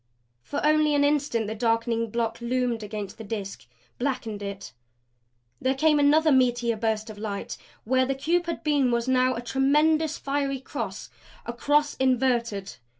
For only an instant the darkening block loomed against the Disk; blackened it. There came another meteor burst of light. Where the cube had been was now a tremendous, fiery cross a cross inverted.